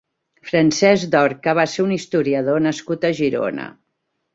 Francesc Dorca va ser un historiador nascut a Girona.